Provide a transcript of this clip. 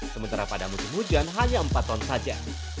sementara pada musim hujan hanya empat ton saja